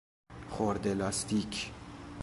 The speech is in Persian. خرده لاستیک